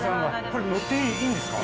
これ乗っていいんですか？